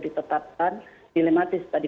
ditetapkan dilematis tadi